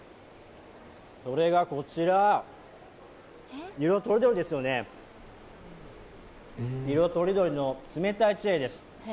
それがこちら、色とりどりですよね色とりどりの冷たいチェーです。